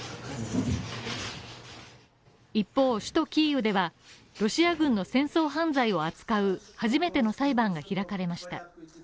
一方、首都キーウでは、ロシア軍の戦争犯罪を扱う初めての裁判が開かれました。